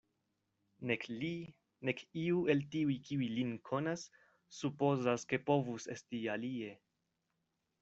Nek li, nek iu el tiuj, kiuj lin konas, supozas, ke povus esti alie.